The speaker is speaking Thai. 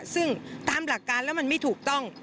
ซึ่งตามหลักการแล้วมันไม่ถูกต้อง